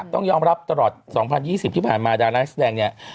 ต้องยอมรับตลอด๒๐๒๐ที่ผ่านมาดารานักแสดงเนี่ย